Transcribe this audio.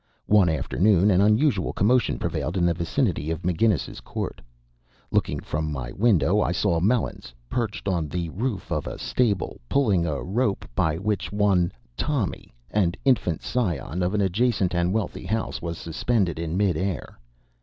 One afternoon an unusual commotion prevailed in the vicinity of McGinnis's Court. Looking from my window I saw Melons perched on the roof of a stable, pulling up a rope by which one "Tommy," an infant scion of an adjacent and wealthy house, was suspended in mid air.